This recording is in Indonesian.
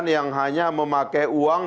yang hanya memakai uang